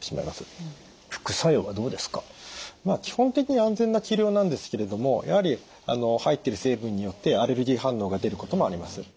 基本的に安全な治療なんですけれどもやはり入っている成分によってアレルギー反応が出ることもあります。